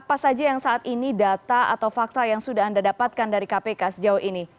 apa saja yang saat ini data atau fakta yang sudah anda dapatkan dari kpk sejauh ini